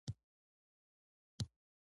او د خپل ضمیر د بغاوته به خپل واک اعلانوي